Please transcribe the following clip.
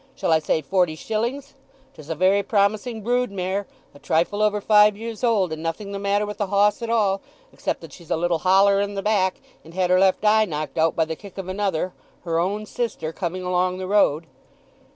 Shall I say forty shillings? 'Tis a very promising broodmare, a trifle over five years old, and nothing the matter with the hoss at all, except that she's a little holler in the back and had her left eye knocked out by the kick of another, her own sister, coming along the road."